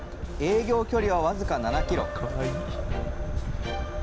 営業距離は、僅か７キロ。